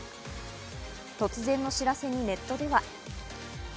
突然の知らせにネットでは。